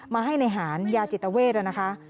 มาให้ในหารยาจิตเวทนะคะ